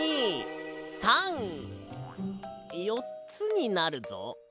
１２３よっつになるぞ。